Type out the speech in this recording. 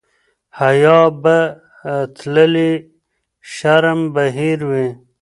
حیا به تللې شرم به هېر وي.